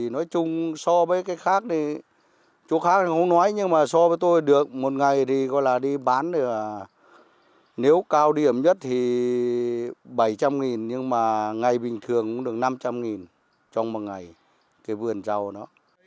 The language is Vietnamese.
nếu cao điểm nhất thì bảy trăm linh nghìn nhưng mà ngày bình thường cũng được năm trăm linh nghìn trong một ngày cái vườn rau đó